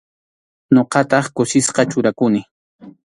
Ñuqataq kusisqa churakuni.